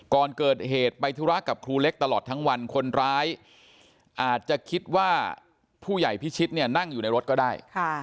ก่อนเกิดเหตุไปธุระกับครูเล็กตลอดทั้งวันคนร้ายอาจจะคิดว่าผู้ใหญ่พิชิตเนี่ยนั่งอยู่ในรถก็ได้